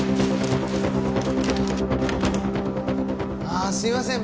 ああすいません。